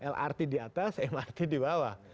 lrt di atas mrt di bawah